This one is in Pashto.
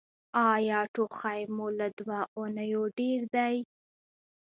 ایا ټوخی مو له دوه اونیو ډیر دی؟